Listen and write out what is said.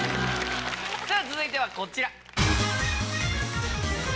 さぁ続いてはこちら。